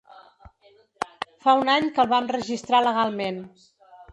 Fa un any que el vam registrar legalment.